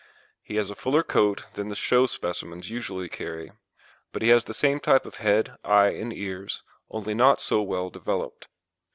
He has a fuller coat than the show specimens usually carry, but he has the same type of head, eye, and ears, only not so well developed.